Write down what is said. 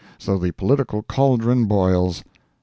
So the political cauldron boils.